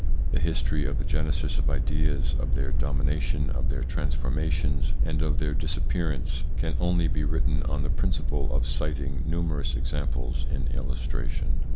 The history of the genesis of ideas, of their domi nation, of their transformations, and of their disappear ance, can only be written on the principle of citing numerous examples in illustration.